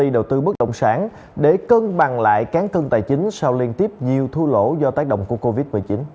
đầu tư bất động sản để cân bằng lại cán cân tài chính sau liên tiếp nhiều thu lỗ do tác động của covid một mươi chín